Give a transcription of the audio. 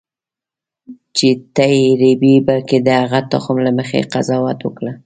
چې ته یې رېبې بلکې د هغه تخم له مخې قضاوت وکړه.